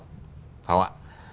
phải không ạ